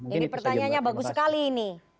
jadi pertanyaannya bagus sekali ini